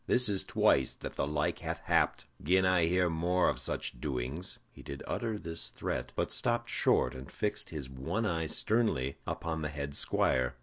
This is twice that the like hath happed; gin I hear more of such doings " He did utter his threat, but stopped short, and fixed his one eye sternly upon the head squire.